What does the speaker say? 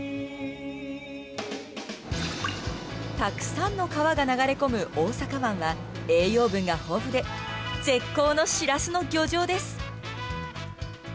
たくさんの川が流れ込む大阪湾は栄養分が豊富で絶好のシラスの漁場です。